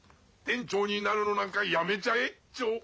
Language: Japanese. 店長になるのなんかやめちゃえッチョ。